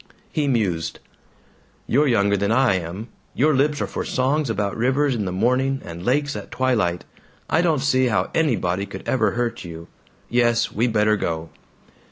He mused, "You're younger than I am. Your lips are for songs about rivers in the morning and lakes at twilight. I don't see how anybody could ever hurt you. ... Yes. We better go."